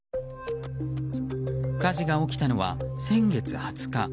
火事が起きたのは先月２０日。